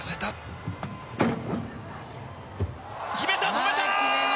止めた！